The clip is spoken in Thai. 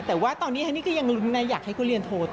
แต่ตอนนี้ก็ยังอยากให้ค่อยเรียนโทรต่อ